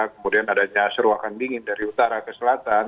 kemudian adanya seruakan dingin dari utara ke selatan